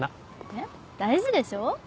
えっ大事でしょ。